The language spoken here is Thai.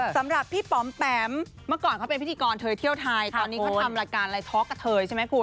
สำหรับพี่ป๋อมแปมเมื่อก่อนเขาเป็นพิธีกรเทยเที่ยวไทยตอนนี้เขาทำรายการอะไรท็อกกับเธอใช่ไหมคุณ